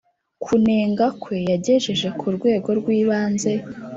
kunenga kwe yagejeje ku rwego rw ibanze